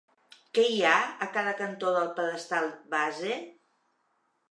Què hi ha a cada cantó del pedestal base?